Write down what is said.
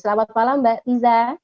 selamat malam mbak tiza